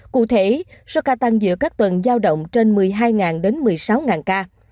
cụ thể số ca tăng giữa các tuần giao động trên một mươi hai đến một mươi sáu ca